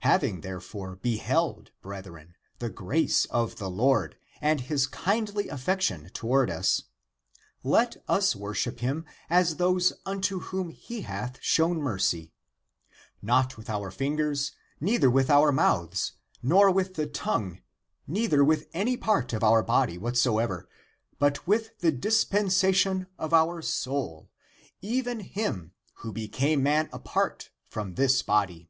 Having therefore beheld, brethren, the grace of the Lord and his kindly affection toward us, let us worship him as those unto whom he hath shown mercy. Not with our fingers, neither with our mouths, nor with the tongue, neither with any part of our body, whatsoever, but with the disposi tion of our soul, even him, who became man apart from this body.